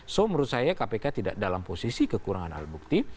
so menurut saya kpk tidak dalam posisi kekurangan alat bukti